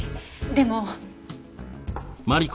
でも。